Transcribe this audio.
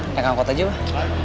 neng angkot aja bah